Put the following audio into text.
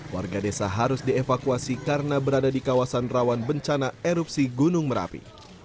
warga desa harus dievakuasi karena berada di kawasan rawan bencana erupsi gunung merapi